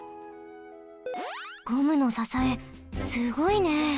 ゴムのささえすごいね！